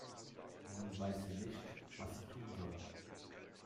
Nun weiß sie nicht, was sie tun soll.